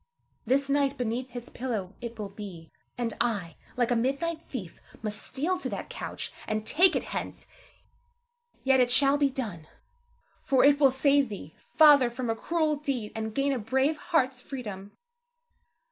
This night beneath his pillow it will be; and I, like a midnight thief, must steal to that couch, and take it hence. Yet, it shall be done, for it will save thee, Father, from a cruel deed, and gain a brave heart's freedom.